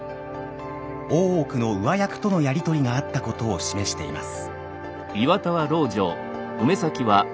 大奥の上役とのやり取りがあったことを示しています。